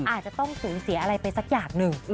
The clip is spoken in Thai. อาจจะต้องสูญเสียอะไรไปสักอย่างหนึ่ง